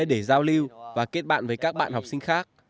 đào lưu và kết bạn với các bạn học sinh khác